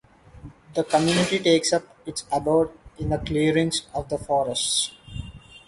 The community takes up its abode in the clearings of the forest.